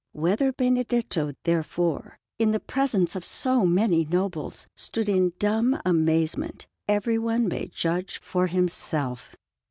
Whether Benedetto, therefore, in the presence of so many nobles, stood in dumb amazement, everyone may judge for himself.